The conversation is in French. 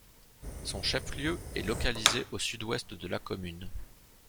Son chef-lieu est localisé au sud-ouest de la commune.